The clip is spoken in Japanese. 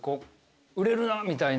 売れるなみたいな人。